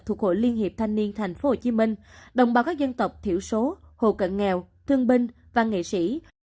thuộc hội liên hiệp thanh niên thành phố hồ chí minh đồng bào các dân tộc thiểu số hồ cận nghèo thương binh và nghệ sĩ